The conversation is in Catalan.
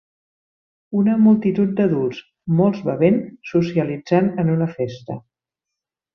Una multitud d'adults, molts bevent, socialitzant en una festa